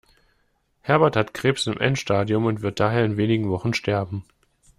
Herbert hat Krebs im Endstadium und wird daher in wenigen Wochen sterben.